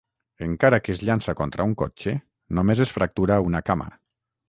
Encara que es llança contra un cotxe, només es fractura una cama.